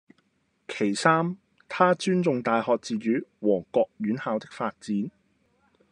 其三，她尊重大學自主和各院校的發展